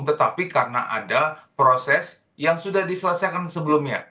tetapi karena ada proses yang sudah diselesaikan sebelumnya